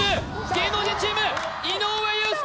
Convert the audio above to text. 芸能人チーム井上裕介